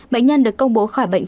bệnh nhân được công bố khỏi bệnh